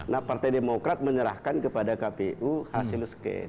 nah partai demokrat menyerahkan kepada kpu hasil scan